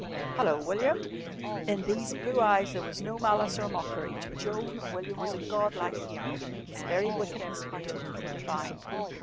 "Hello, William!" In these blue eyes there was no malice or mockery. To Joan William was a god like hero. His very wickedness partook of the divine.